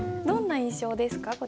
どんな印象ですか？